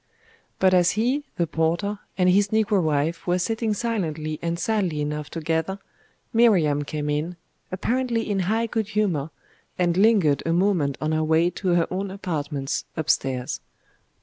But as he, the porter, and his negro wife were sitting silently and sadly enough together, Miriam came in, apparently in high good humour, and lingered a moment on her way to her own apartments upstairs.